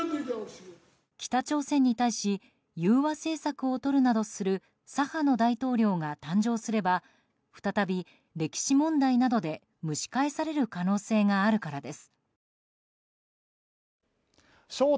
北朝鮮に対し融和政策をとるなどする左派の大統領が誕生すれば再び歴史問題などで蒸し返される可能性があるからです。